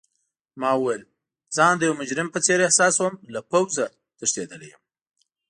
ما وویل: ځان د یو مجرم په څېر احساسوم، له پوځه تښتیدلی یم.